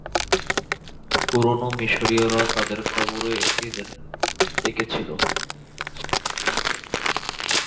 পুরনো মিশরীয়রা তাদের কবরে এদের একেছিল।